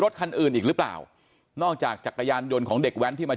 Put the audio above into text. คันอื่นอีกหรือเปล่านอกจากจักรยานยนต์ของเด็กแว้นที่มา